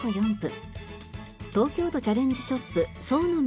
東京都チャレンジショップ創の実